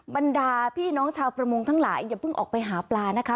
บรรดาพี่น้องชาวประมงทั้งหลายอย่าเพิ่งออกไปหาปลานะคะ